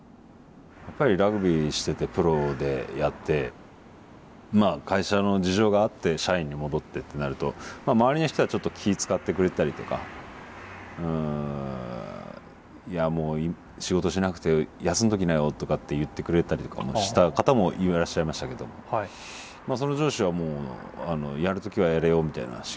やっぱりラグビーしててプロでやってまあ会社の事情があって社員に戻ってってなるとまあ周りの人はちょっと気ぃ遣ってくれてたりとかいやもう仕事しなくて休んどきなよとかって言ってくれてたりとかもした方もいらっしゃいましたけどもまあその上司はもうやる時はやれよみたいな。